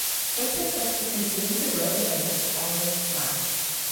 This success would continue to grow with their next album, "Smash".